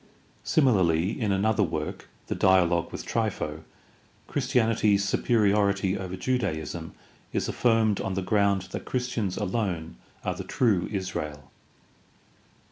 Similarly, in another work, the Dia logue with Trypho, Christianity's superiority over Judaism is affirmed on the ground that Christians alone are the true Israel.